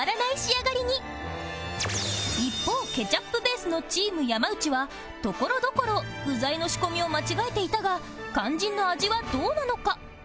一方ケチャップベースのチーム山内はところどころ具材の仕込みを間違えていたが肝心の味はどうなのか？